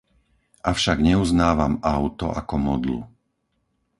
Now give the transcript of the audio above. Avšak neuznávam auto ako modlu.